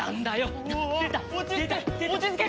落ち着け！